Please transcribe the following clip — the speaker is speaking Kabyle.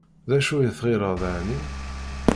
D acu i tɣileḍ εni?